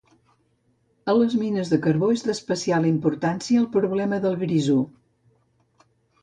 A les mines de carbó és d'especial importància el problema del grisú.